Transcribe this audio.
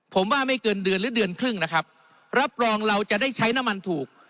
ผมว่าไม่เกินเดือนหรือเดือนครึ่งนะครับรับรองเราจะได้ใช้น้ำมันถูก